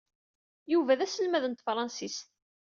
Yuba d aselmad n tefransist.